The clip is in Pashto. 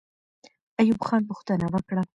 ایوب خان پوښتنه وکړه.